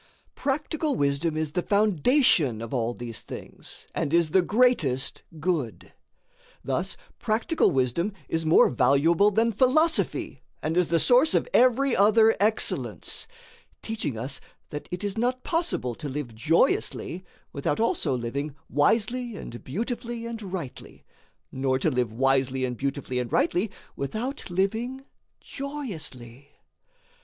Practical wisdom is the foundation of all these things and is the greatest good. Thus practical wisdom is more valuable than philosophy and is the source of every other excellence [note], teaching us that it is not possible to live joyously without also living wisely and beautifully and rightly, nor to live wisely and beautifully and rightly without living joyously.